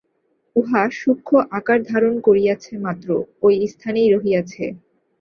উহা সূক্ষ্ম আকার ধারণ করিয়াছে মাত্র, ঐ স্থানেই রহিয়াছে।